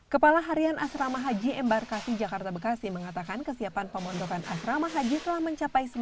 kepala harian asrama haji embarkasi jakarta bekasi mengatakan kesiapan pemontokan asrama haji telah mencapai sembilan puluh tujuh persen